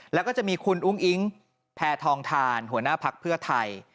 แล้วก็จะมีคุณอุ้งอิ๊งแพทองทานหัวหน้าพักเพื่อไทย